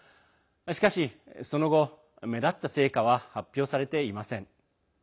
しかしその後、目立った成果は発表されていません。